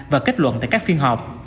và kết luận tại các phiên họp